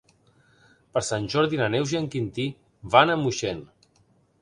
Per Sant Jordi na Neus i en Quintí van a Moixent.